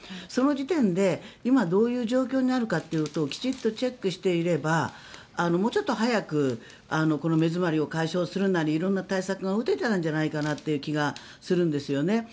その時点で、今どういう状況にあるかということをきちんとチェックしていればもうちょっと早くこの目詰まりを解消するなり色んな対策が打てたんじゃないかなという気がするんです。